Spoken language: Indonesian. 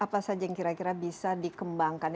apa saja yang kira kira bisa dikembangkan